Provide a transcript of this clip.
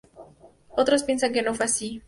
Otros, piensan que no fue así.